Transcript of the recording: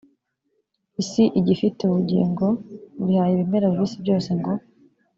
isi gifite ubugingo mbihaye ibimera bibisi byose ngo